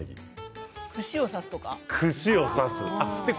串を刺すとか？